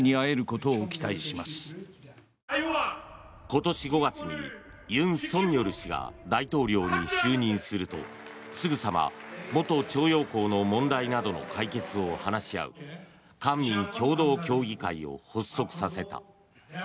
今年５月に尹錫悦氏が大統領に就任するとすぐさま元徴用工の問題などの解決を話し合う官民共同協議会を発足させた。